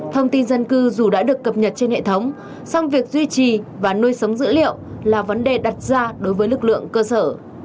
thông tin dân cư dù đã được cập nhật trên hệ thống song việc duy trì và nuôi sống dữ liệu là vấn đề đặt ra đối với lực lượng cơ sở